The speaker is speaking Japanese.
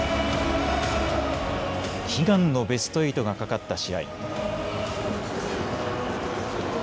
悲願のベスト８がかかった試合。